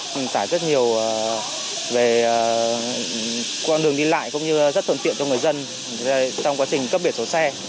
chúng ta sẽ tải rất nhiều về con đường đi lại cũng như rất thuận tiện cho người dân trong quá trình cấp biển số xe